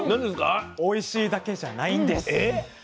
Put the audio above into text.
おいしいだけじゃないんです。